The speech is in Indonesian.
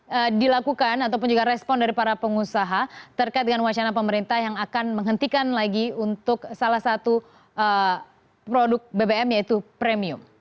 yang dilakukan ataupun juga respon dari para pengusaha terkait dengan wacana pemerintah yang akan menghentikan lagi untuk salah satu produk bbm yaitu premium